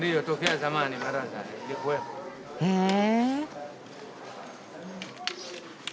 へえ。